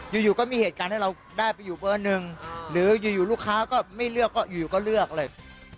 อยู่ก็มีเหตุการณ์ให้เราได้ไปอยู่เบอร์หนึ่งหรืออยู่ลูกค้าก็ไม่เลือกก็อยู่ก็เลือกเลย